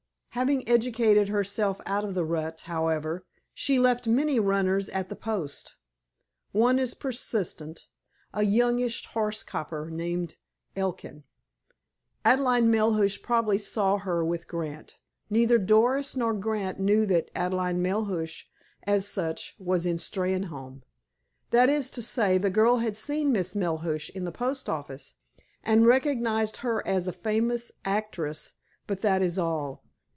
Having educated herself out of the rut, however, she left many runners at the post. One is persistent—a youngish horse coper named Elkin. Adelaide Melhuish probably saw her with Grant. Neither Doris nor Grant knew that Adelaide Melhuish, as such, was in Steynholme. That is to say, the girl had seen Miss Melhuish in the post office, and recognized her as a famous actress, but that is all.